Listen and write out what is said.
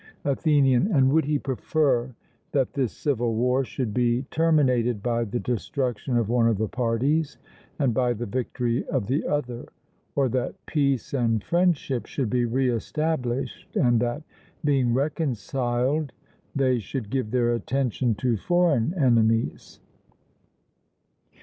ATHENIAN: And would he prefer that this civil war should be terminated by the destruction of one of the parties, and by the victory of the other, or that peace and friendship should be re established, and that, being reconciled, they should give their attention to foreign enemies?